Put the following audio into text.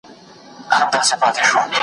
قسمت پردی کړې ښکلې کابله .